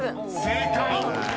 ［正解！］